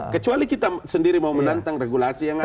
kecuali kita sendiri mau menantang regulasi yang ada